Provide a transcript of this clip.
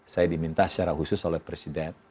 saya diminta secara khusus oleh presiden